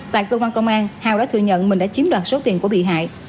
tại cơ quan công an hào đã thừa nhận mình đã chiếm đoạt số tiền của bị hại